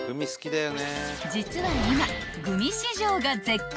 ［実は今］